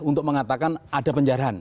untuk mengatakan ada penjaraan